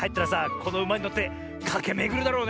このうまにのってかけめぐるだろうねえ。